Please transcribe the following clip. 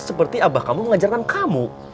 seperti abah kamu mengajarkan kamu